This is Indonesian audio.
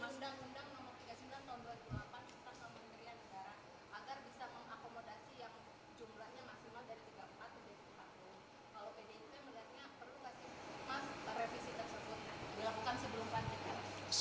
masa setau ini mas